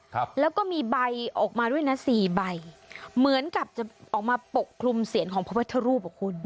ครับแล้วก็มีใบออกมาด้วยนะสี่ใบเหมือนกับจะออกมาปกคลุมเสียงของพระพุทธรูปอ่ะคุณ